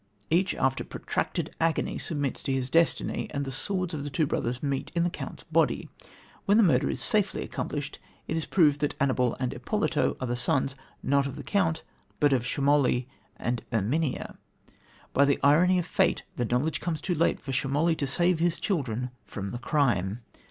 Each, after protracted agony, submits to his destiny, and the swords of the two brothers meet in the Count's body. When the murder is safely accomplished, it is proved that Annibal and Ippolito are the sons, not of the Count, but of Schemoli and Erminia. By the irony of fate the knowledge comes too late for Schemoli to save his children from the crime.